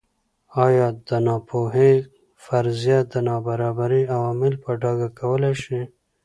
ایا د ناپوهۍ فرضیه د نابرابرۍ عوامل په ډاګه کولای شي.